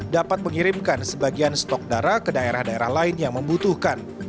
dapat mengirimkan sebagian stok darah ke daerah daerah lain yang membutuhkan